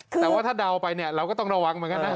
แต่ว่าถ้าเดาไปเนี่ยเราก็ต้องระวังเหมือนกันนะ